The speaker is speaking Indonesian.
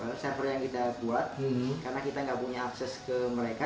masuk ke server yang kita buat karena kita tidak punya akses ke mereka